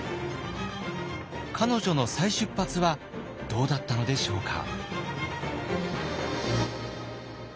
彼女の再出発はどうだったのでしょうか。